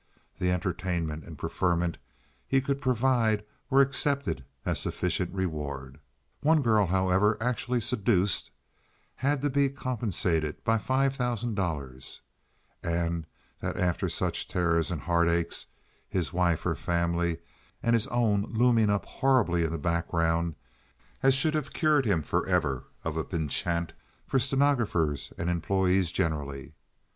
The entertainment and preferment he could provide were accepted as sufficient reward. One girl, however, actually seduced, had to be compensated by five thousand dollars—and that after such terrors and heartaches (his wife, her family, and his own looming up horribly in the background) as should have cured him forever of a penchant for stenographers and employees generally.